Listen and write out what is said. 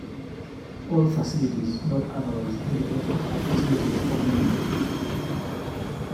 All facilities not otherwise indicated are facilities for men.